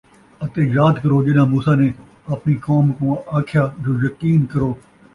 اَتے یاد کرو ڄَݙاں موسیٰ نے آپڑیں قوم کوں آکھیا، جو یقین کرو